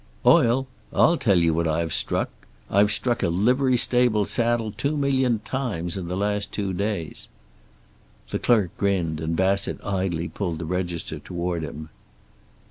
"Oil! I'll tell you what I have struck. I've struck a livery stable saddle two million times in the last two days." The clerk grinned, and Bassett idly pulled the register toward him.